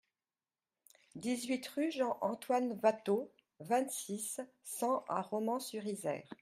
dix-huit rue Jean-Antoine Watteau, vingt-six, cent à Romans-sur-Isère